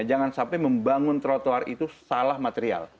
jangan sampai membangun trotoar itu salah material